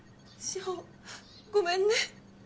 翔ごめんね。